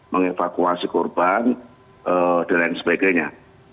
mengevakuasi korban dan lain sebagainya